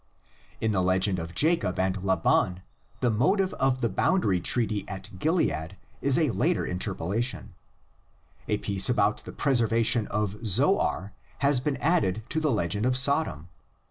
In the legend of Jacob and Laban the motive of the bound ary treaty at Gilead is a later interpolation; a piece about the preservation of Zoar has been added to the legend of Sodom.